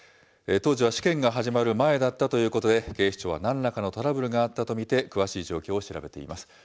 当時は試験が始まる前だったということで、警視庁はなんらかのトラブルがあったと見て、詳しい状況を調べています。